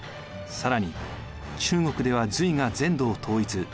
更に中国では隋が全土を統一。